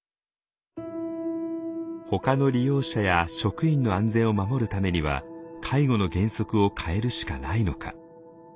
ほかの利用者や職員の安全を守るためには介護の原則を変えるしかないのか。